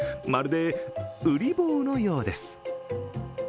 まるでウリ坊のようです。